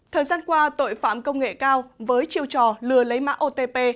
thời gian qua tội phạm công nghệ cao với chiêu trò lừa lấy mã otp